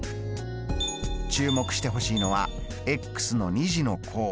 注目してほしいのはの２次の項。